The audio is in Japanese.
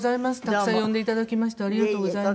たくさん呼んでいただきましてありがとうございます。